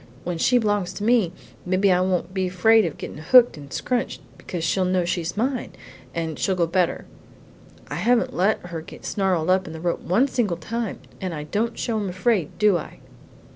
When she b'longs to me, mebbe I won't be so fraid of gettin' hooked and scrunched, because she'll know she's mine, and she'll go better. I haven't let her get snarled up in the rope one single time, and I don't show I'm afraid, do I?"